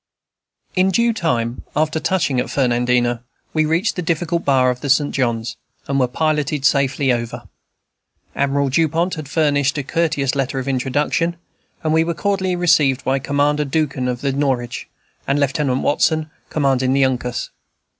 In due time, after touching at Fernandina, we reached the difficult bar of the St. John's, and were piloted safely over. Admiral Dupont had furnished a courteous letter of introduction.* and we were cordially received by Commander Duncan of the Norwich, and Lieutenant Watson, commanding the Uncas.